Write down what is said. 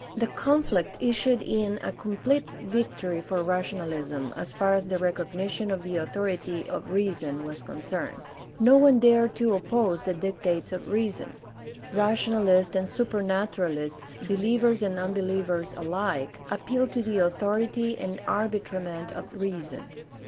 The conflict issued in a complete victory for rationalism, as far as the recognition of the authority of reason was concerned. No one dared to oppose the dictates of reason. Rationalists and Supernaturalists, believers and unbelievers alike, appealed to the authority and arbitrament of reason.